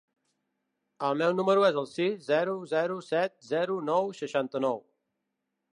El meu número es el sis, zero, zero, set, zero, nou, seixanta-nou.